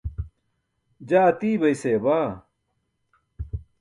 Jaa atiibay seya baa.